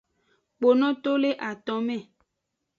Kpono to le aton me.